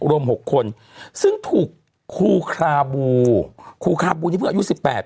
รวม๖คนซึ่งถูกครูคาบูครูคาบูนี่เพื่ออายุ๑๘